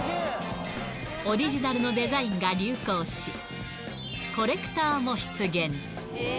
オリジナルのデザインが流行し、コレクターも出現。